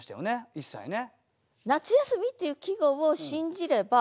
一切ね。